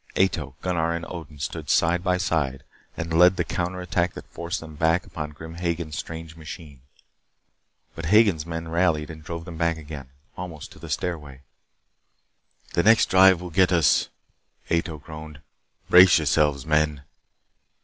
Ato, Gunnar, and Odin stood side by side and led the counter attack that forced them back upon Grim Hagen's strange machine. But Hagen's men rallied and drove them back again almost to the stairway. "The next drive will get us," Ato groaned. "Brace yourselves, men."